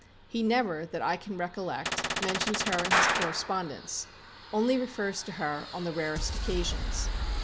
He never, that I can recollect, mentions her in his correspondence; only refers to her on the rarest occasions.